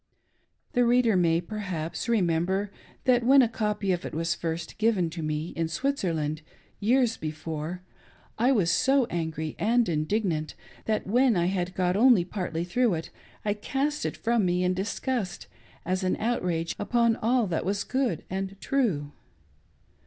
The reader may, perhaps,, remember that when a copy of it was first given to me, in Switzer land, years before, I was so angry and indignant that when I had got only partly through it I cast it from me in disgust as an outrage upon all that was good' and true.